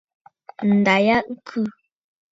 Ǹda ya ɨ khɨ.